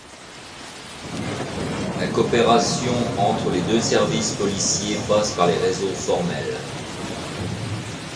La coopération entre les services policiers passe par les réseaux formels.